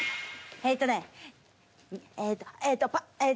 えっとねえっとえっとパえっ。